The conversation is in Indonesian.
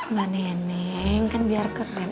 mbak neneng kan biar kepengen